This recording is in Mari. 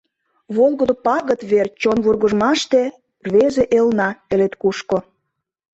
Волгыдо пагыт верч Чон вургыжмаште Рвезе элна… Пелед кушко.